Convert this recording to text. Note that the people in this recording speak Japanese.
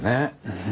うん。